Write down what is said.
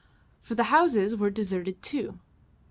For the houses were deserted too.